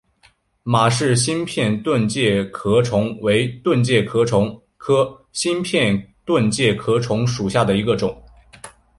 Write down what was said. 马氏新片盾介壳虫为盾介壳虫科新片盾介壳虫属下的一个种。